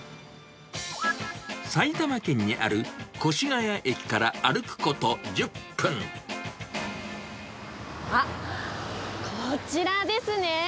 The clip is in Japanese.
埼玉県にある、あっ、こちらですね。